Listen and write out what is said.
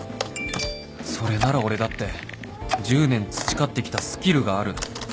それなら俺だって１０年培ってきたスキルがある